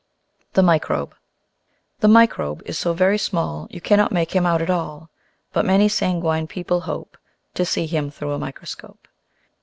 The Microbe The Microbe is so very small You cannot make him out at all, But many sanguine people hope To see him through a microscope.